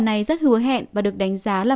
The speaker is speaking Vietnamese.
này rất hứa hẹn và được đánh giá là